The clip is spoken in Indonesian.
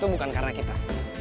bukan karena kita